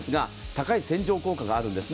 高い洗浄効果があります。